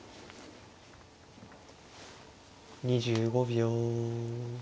２５秒。